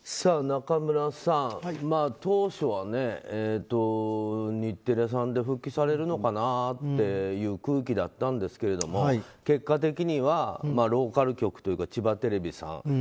中村さん、当初は日テレさんで復帰されるのかなという空気だったんですけれども結果的にはローカル局というか千葉テレビさん